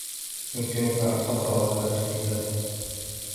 يمكنك أن تقرأ هذا الكتاب.